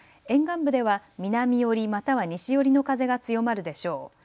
沿岸部では南寄り、または西寄りの風が強まるでしょう。